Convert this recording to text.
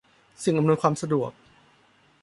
สิ่งอำนวยความสะดวก